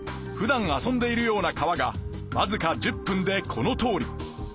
ふだん遊んでいるような川がわずか１０分でこのとおり。